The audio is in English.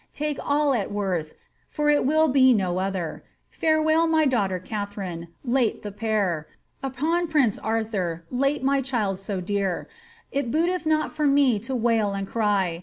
Take all at worth, for it will be no other; Farewell, my daughter Katharine,^ late the p' trt Unto Prince Arthur, late my child so dear. It booteth not for me to wail and cry.